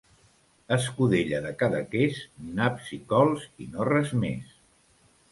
Escudella de Cadaqués, naps i cols i no res més.